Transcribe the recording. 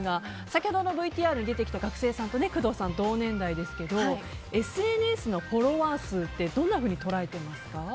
先ほどのＶＴＲに出てきた学生さんと工藤さん、同年代ですけどもＳＮＳのフォロワー数ってどんなふうに捉えていますか？